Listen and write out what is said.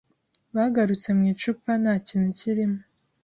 bagarutse mu icupa nta kintu kirimo,